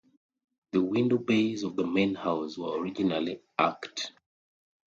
The window bays of the main house were originally arched.